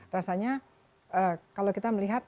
rasanya kalau kita melihat